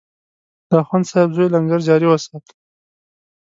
د اخندصاحب زوی لنګر جاري وسات.